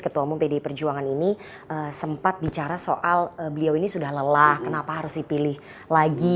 yang diperjuangkan ini sempat bicara soal beliau ini sudah lelah kenapa harus dipilih lagi